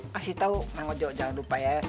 kasih tau mang ojo jangan lupa ya